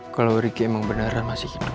kalau riki emang beneran masih hidup